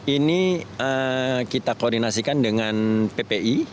ini kita koordinasikan dengan ppi